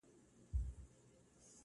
څوک چي د مار بچی په غېږ کي ګرځوینه٫